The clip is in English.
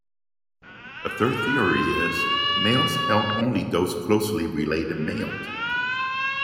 A third theory is, males help only other closely related males.